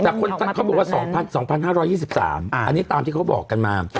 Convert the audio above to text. แต่คนเขาบอกว่า๒๕๒๓อันนี้ตามที่เขาบอกกันมา